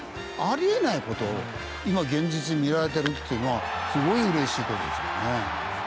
あり得ない事を今現実に見られてるっていうのはすごい嬉しい事ですよね。